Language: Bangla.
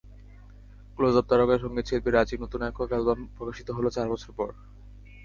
ক্লোজআপ তারকা সংগীতশিল্পী রাজীব নতুন একক অ্যালবাম প্রকাশিত হলো চার বছর পর।